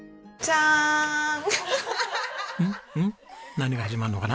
何が始まるのかな？